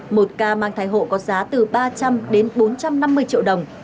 một ca mang thai hộ có giá từ ba trăm linh đến bốn trăm năm mươi triệu đồng